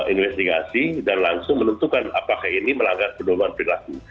investigasi dan langsung menentukan apakah ini melanggar pendorongan berlaku